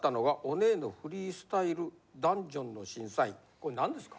これ何ですか？